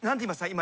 今。